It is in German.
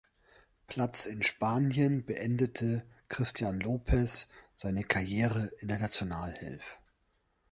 Platz in Spanien beendete Christian Lopez seine Karriere in der Nationalelf.